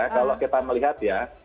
kalau kita melihat ya